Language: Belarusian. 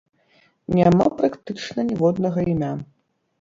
Няма практычна ніводнага імя.